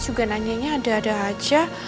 juga nanyanya ada ada aja